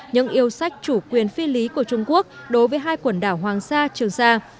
những yêu sách chủ quyền phi lý của trung quốc đối với hai quần đảo hoàng sa trường sa